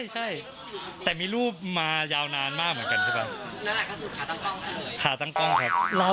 ใช่แต่มีรูปมายาวนานมากเหมือนกันใช่ปะ